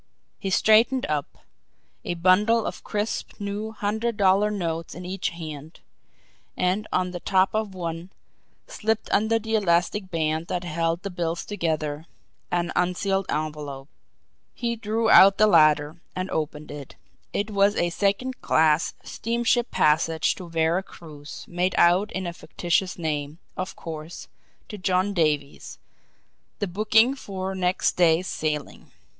He straightened up, a bundle of crisp new hundred dollar notes in each hand and on the top of one, slipped under the elastic band that held the bills together, an unsealed envelope. He drew out the latter, and opened it it was a second class steamship passage to Vera Cruz, made out in a fictitious name, of course, to John Davies, the booking for next day's sailing.